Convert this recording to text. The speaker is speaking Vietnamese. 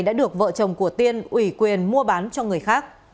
lô đất này đã được vợ chồng của tiên ủy quyền mua bán cho người khác